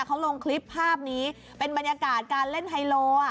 เขาลงคลิปภาพนี้เป็นบรรยากาศการเล่นไฮโล